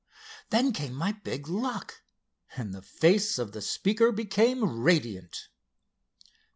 Then came my big luck," and the face of the speaker became radiant.